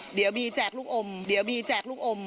เดี๋ยวบีแจกลูกอมเดี๋ยวบีแจกลูกอม